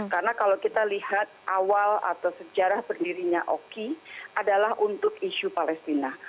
karena kalau kita lihat awal atau sejarah berdirinya oki adalah untuk isu palestina